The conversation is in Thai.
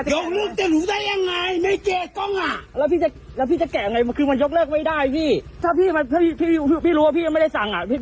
ร้อนขนาดนี้สิคุณชนะไม่ใช่อากาศร้อนนะ